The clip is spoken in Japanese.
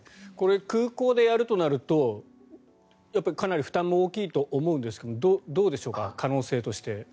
空港でやるとなるとかなり負担も大きいと思うんですがどうでしょうか可能性として。